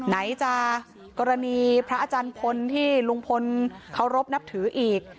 ไหนจะกรณีพระอาจารย์พลที่ลุงพลเคารพนับถืออีก